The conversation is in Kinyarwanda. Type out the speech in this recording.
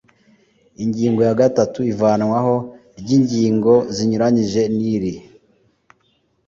Ingingo ya gatatu Ivanwaho ry ingingo zinyuranije n iri